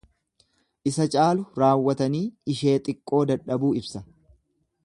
Isa caalu raawwatanii ishee xiiqqoo dadhabuu ibsa.